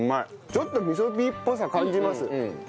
ちょっと味噌ピーっぽさ感じます。